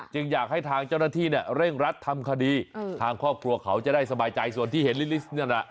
อยากให้ทางเจ้าหน้าที่เนี่ยเร่งรัดทำคดีทางครอบครัวเขาจะได้สบายใจส่วนที่เห็นลิลิสต์นั่นน่ะ